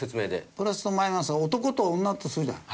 プラスとマイナスが男と女とするじゃない。